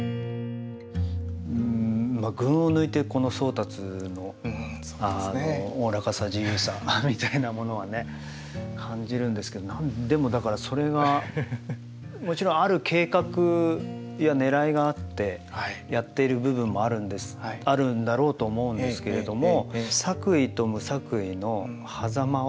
群を抜いてこの宗達のおおらかさ自由さみたいなものは感じるんですけどでもだからそれがもちろんある計画やねらいがあってやっている部分もあるんだろうと思うんですけれども。